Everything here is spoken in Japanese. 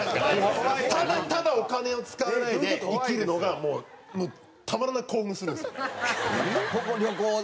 ただただ金を使わないで生きるのがもう、たまらなく興奮するんですよね。